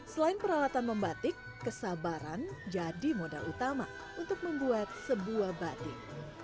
selain peralatan membatik kesabaran jadi modal utama untuk membuat sebuah batik